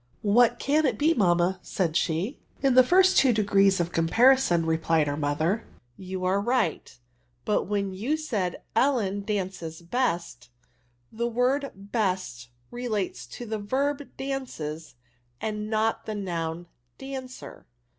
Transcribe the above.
*^ What can it be» mamma f said she. " In the two first degrees of compariscm/* replied her mother, *' you are right ; but when you said, ' Ellen dances best,' the word best relates to the verb dances, and not to the noim dancer.''